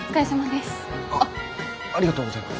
ありがとうございます。